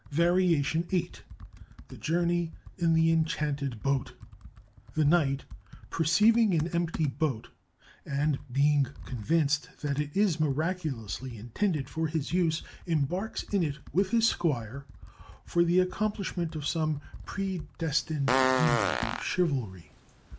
VARIATION VIII THE JOURNEY IN THE ENCHANTED BOAT The knight, perceiving an empty boat, and being convinced that it is miraculously intended for his use, embarks in it with his squire for the accomplishment of some predestined deed of chivalry.